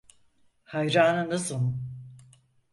Hayranınızım.